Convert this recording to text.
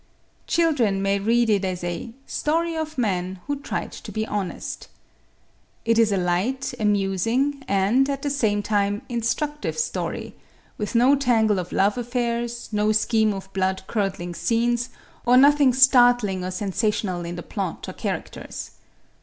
Children may read it as a "story of man who tried to be honest." It is a light, amusing and, at the name time, instructive story, with no tangle of love affairs, no scheme of blood curdling scenes or nothing startling or sensational in the plot or characters.